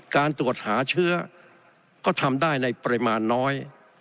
การตรวจหาเชื้อก็ทำได้ในปริมาณน้อย